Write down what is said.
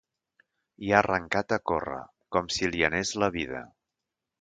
I ha arrencat a córrer, com si li anés la vida.